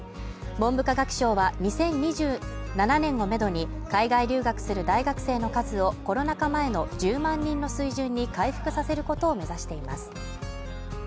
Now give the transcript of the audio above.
文部科学省は２０２７年をめどに海外留学する大学生の数をコロナ禍前の１０万人の水準に回復させることを目指しています